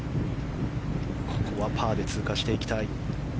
ここはパーで通過していきたい。